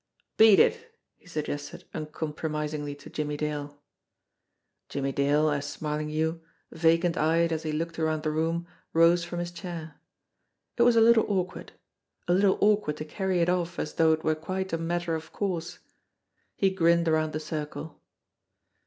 "Beat it !" he suggested uncompromisingly to Jimmie Dale. Jimmie Dale, as Smarlinghue, vacant eyed as he looked around the room, rose from his chair. It was a little awk ward a little awkward to carry it off as though it were quite a matter of course. He grinned around the circle.